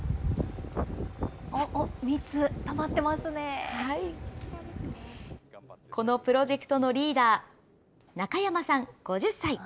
あっ、あっ、このプロジェクトのリーダー、中山さん５０歳。